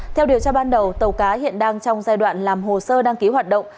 theo điều tra ban đầu tàu cá hiện đang trong giai đoạn làm hồ sơ đăng ký hoạt động